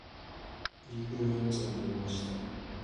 インフルエンザになりました